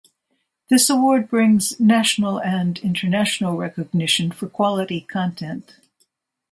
This award brings national and international recognition for quality content.